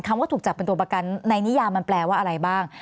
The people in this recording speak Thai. ว่าถูกจับเป็นตัวประกันในนิยามมันแปลว่าอะไรบ้าง